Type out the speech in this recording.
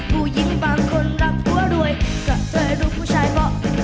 ผู้หญิงบางคนรับกลัวด้วยกับเธอลูกผู้ชายบอก